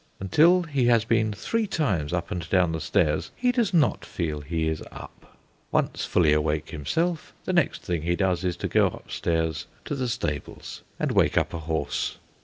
Until he has been three times up and down the stairs, he does not feel he is up. Once fully awake himself, the next thing he does is to go upstairs to the stables, and wake up a horse.